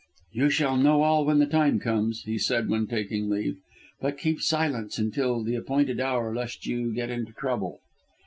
"You shall know all when the time comes," he said when taking leave, "but keep silence until the appointed hour lest you get into trouble."